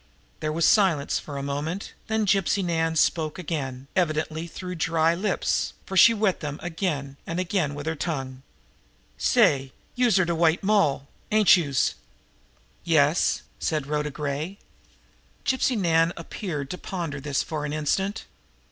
There was silence for a moment; then Gypsy Nan spoke again, evidently through dry lips, for she wet them again and again with her tongue: "Say, youse are de White Moll, ain't youse?" "Yes," said Rhoda Gray. Gypsy Nan appeared to ponder this for an instant.